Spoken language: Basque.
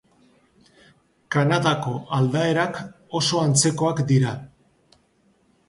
Kanadako aldaerak oso antzekoak dira.